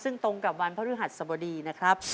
ซึ่งตรงกับวันพระฤหัสสบดีนะครับ